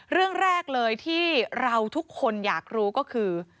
เรื่องแรกเลยที่เราทุกคนอยากรู้ก็คือ